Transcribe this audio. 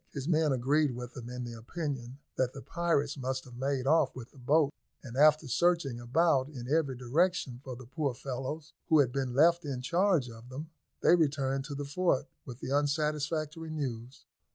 His men agreed with him in the opinion that the pirates must have made off with the boats; and, after searching about in every direction for the poor fellows who had been left in charge of them, they returned to the fort with the unsatisfactory news.